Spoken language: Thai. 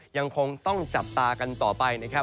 ยังคงต้องจับตากันต่อไปนะครับ